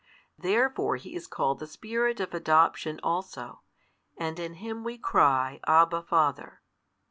Therefore He is called the Spirit of adoption also, and in Him we cry Abba, Father.